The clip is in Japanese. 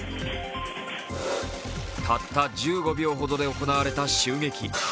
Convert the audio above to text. たった１５秒ほどで行われた襲撃。